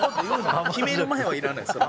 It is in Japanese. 決める前はいらないですよ。